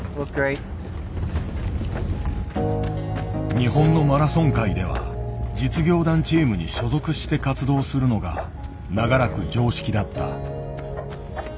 日本のマラソン界では実業団チームに所属して活動するのが長らく常識だった。